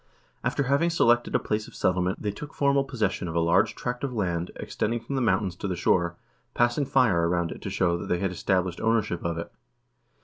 After having selected a place of settlement, they took formal possession of a large tract of land ex tending from the mountains to the shore, passing fire around it to show that they had established ownership of it.